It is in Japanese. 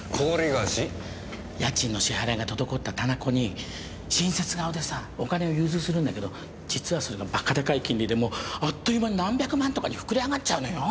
家賃の支払いが滞った店子に親切顔でお金を融通するんだけど実はそれがバカでかい金利であっという間に何百万とかに膨れ上がっちゃうのよ。